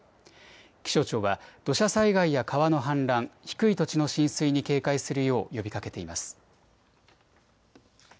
気象庁は土砂災害や川の氾濫、低い土地の浸水に警戒するよう呼びかけています。